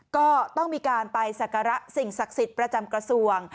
ก็ต้องมีการไปสักการะสิ่งศักดิ์สิทธิ์ประจำกระทรวง